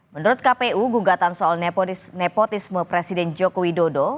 menurut kpu gugatan soal nepotisme presiden joko widodo